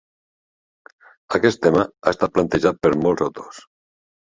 Aquest tema ha estat plantejat per molts autors.